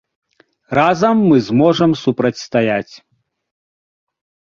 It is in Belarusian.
Разам мы зможам супрацьстаяць.